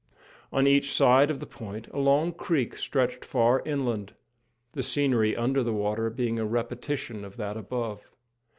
On each side of the point a long creek stretched far inland, the scenery under the water being a repetition of that above.